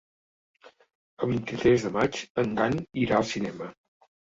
El vint-i-tres de maig en Dan irà al cinema.